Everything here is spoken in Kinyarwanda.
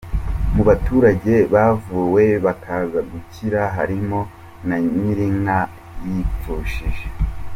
Mu baturage bavuwe bakaza gukira harimo na nyir’inka yipfushije.